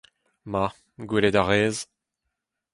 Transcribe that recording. Ma, gwelet a rez…